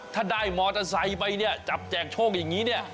ถ้าได้มอเตอร์ไซค์ไปเนี่ยจับแจกโชคอย่างนี้เนี่ย